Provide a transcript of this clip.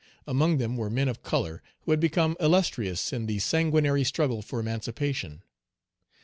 Among them were men of color who had become illustrious in the sanguinary struggle for emancipation.